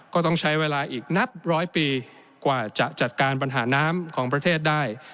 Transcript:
ก็ต้องใช้เวลาอีกนับร้อยปีกว่าจะจัดการปัญหาน้ำของประเทศได้